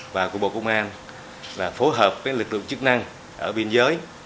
và của bộ công an và phối hợp với lực lượng chức năng ở biên giới